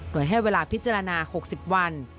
โดยให้เวลาพิจารณา๖๐วัน